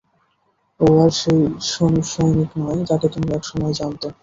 ও আর সেই সনিক নয় যাকে তোমরা একসময় জানতে।